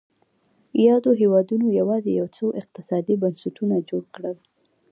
یادو هېوادونو یوازې یو څو اقتصادي بنسټونه جوړ کړل.